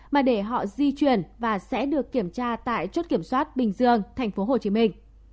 mà để họ di chuyển và sẽ được kiểm tra tại chốt kiểm soát bình dương thành phố hồ chí minh